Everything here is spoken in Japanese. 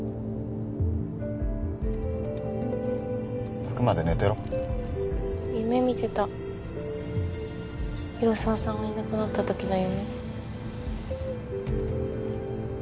着くまで寝てろ夢見てた広沢さんがいなくなったときの夢